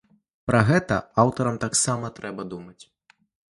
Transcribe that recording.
Пра гэта аўтарам таксама трэба думаць.